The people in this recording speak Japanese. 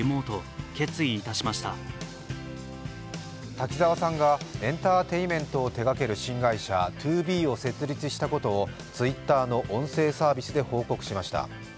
滝沢さんがエンターテインメントを手がける新会社、ＴＯＢＥを設立したことをＴｗｉｔｔｅｒの音声サービスで報告しました。